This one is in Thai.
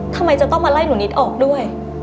ทำไมจะต้องมาไล่หนูนิดออกด้วย